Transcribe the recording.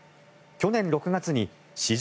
去年６月に史上